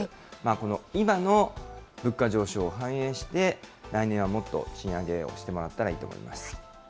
この今の物価上昇を反映して、来年はもっと賃上げをしてもらったらいいと思います。